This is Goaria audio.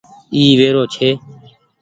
اي ويرو ڇي۔